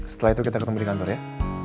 setelah itu kita ketemu di kantor ya